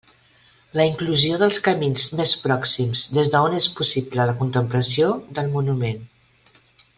La inclusió dels camins més pròxims des d'on és possible la contemplació del monument.